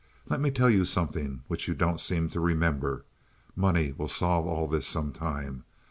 Let me tell you something which you don't seem to remember. Money will solve all this sometime.